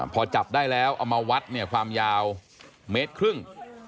พอจับได้แล้วเอามาวัดเนี่ยความยาวเมตรครึ่ง